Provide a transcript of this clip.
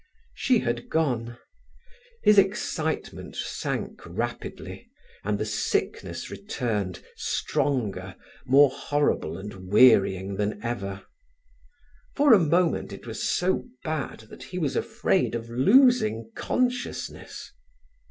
She had gone. His excitement sank rapidly, and the sickness returned stronger, more horrible and wearying than ever. For a moment it was so bad that he was afraid of losing consciousness.